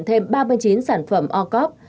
thêm ba mươi chín sản phẩm ô cốt